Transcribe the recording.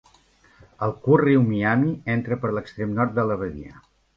El curt riu Miami entra per l'extrem nord de la badia.